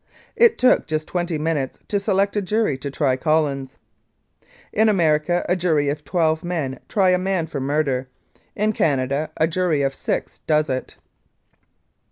It took just twenty minutes to select a jury to try Collins. In America a jury of twelve men try a man for murder. In Canada a jury of six does it.